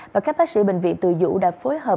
và các bác sĩ bệnh viện tù dụ đã phối hợp